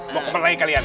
mau kemana lagi kalian